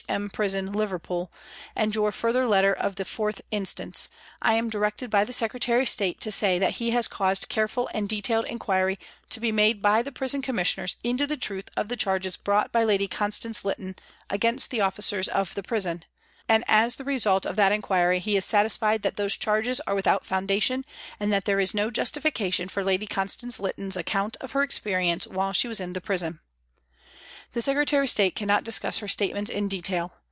M. Prison, Liverpool, and your further letter of the 4th hist., I am directed by the Secretary of State to say that he has caused careful and detailed THE HOME OFFICE 303 inquiry to be made by the Prison Commissioners into the truth of the charges brought by Lady Constance Lytton against the officers of the prison, and as the result of that inquiry he is satisfied that those charges are without foundation and that there is no justification for Lady Constance Lytton's account of her experience while she was in the prison. " The Secretary of State cannot discuss her state ments in detail.